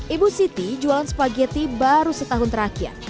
ibu siti jualan spaghetti baru setahun terakhir